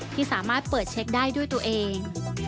ที่สามารถเปิดเช็คได้ด้วยตัวเอง